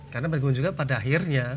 karena pada akhirnya